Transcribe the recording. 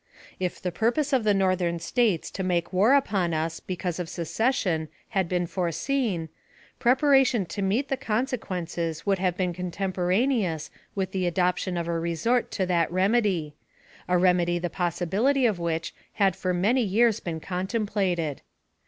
If the purpose of the Northern States to make war upon us because of secession had been foreseen, preparation to meet the consequences would have been contemporaneous with the adoption of a resort to that remedy a remedy the possibility of which had for many years been contemplated.